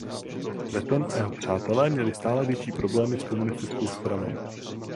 Breton a jeho přátelé měli stále větší problémy s komunistickou stranou.